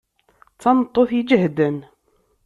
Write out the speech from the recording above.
D tameṭṭut iǧehden.